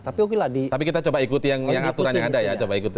tapi kita coba ikuti yang aturannya ada ya